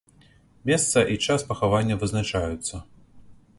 Месца і час пахавання вызначаюцца.